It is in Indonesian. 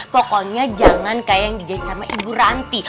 pokoknya jangan kayak yang dijan sama ibu ranti